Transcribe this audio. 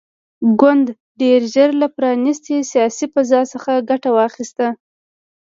ګوند ډېر ژر له پرانیستې سیاسي فضا څخه ګټه واخیسته.